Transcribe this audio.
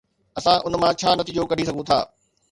اسان ان مان ڇا نتيجو ڪڍي سگهون ٿا؟